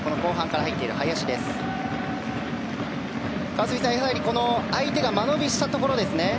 川澄さん、相手が間延びしたところですね。